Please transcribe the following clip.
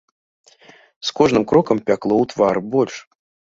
З кожным крокам пякло ў твары больш.